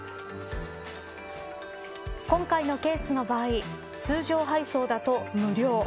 今回のケースの場合通常配送だと無料。